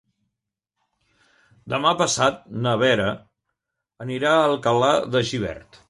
Demà passat na Vera anirà a Alcalà de Xivert.